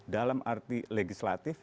dalam arti legislatif